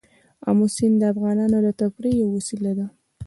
آمو سیند د افغانانو د تفریح یوه وسیله ده.